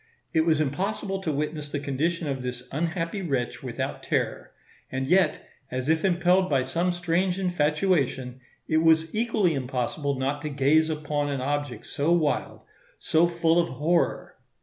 It was impossible to witness the condition of this unhappy wretch without terror; and yet, as if impelled by some strange infatuation, it was equally impossible not to gaze upon an object so wild, so full of horror.